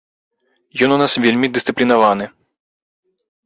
Ён у нас вельмі дысцыплінаваны.